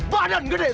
badan gede semua